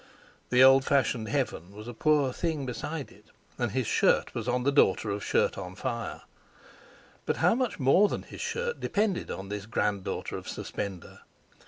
The old fashioned heaven was a poor thing beside it, and his shirt was on the daughter of Shirt on fire. But how much more than his shirt depended on this granddaughter of Suspender!